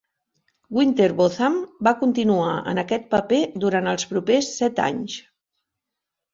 Winterbotham va continuar en aquest paper durant els propers set anys.